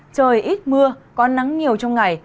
trời ít mưa có nắng nhiều trong ngày